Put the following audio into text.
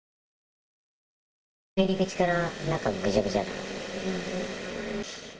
入り口から中、ぐちゃぐちゃ。